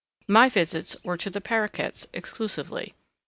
My visits were to the paroquets exclusively.